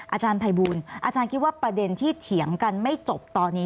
อาจารย์ภัยบูลอาจารย์คิดว่าประเด็นที่เถียงกันไม่จบตอนนี้